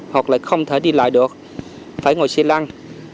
hoặc là không thể đi lại được phải ngồi xe lăng